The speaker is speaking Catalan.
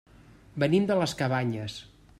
Venim de les Cabanyes.